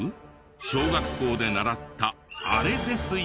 小学校で習ったあれですよ！